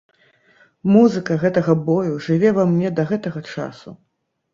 Музыка гэтага бою жыве ва мне да гэтага часу!